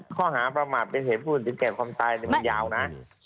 ข้อหาประมาทเป็นเหตุความสุขจบความตายยาวนะ